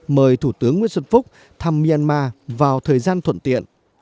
mời thủ tướng nguyễn xuân phúc thăm myanmar vào thời gian thuận tiện